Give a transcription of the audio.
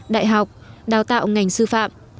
đại học đào tạo ngành sư phạm